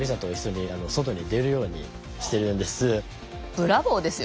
「ブラボーですよ」